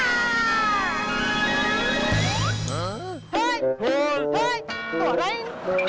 เห้ยเห้ยป่ะได้ยัง